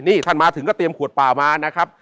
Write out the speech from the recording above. นี่ท่านมาถึงก็เตรียมขวดเปล่ามานะครับ